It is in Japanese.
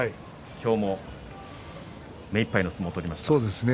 今日も目いっぱいの相撲を取りました。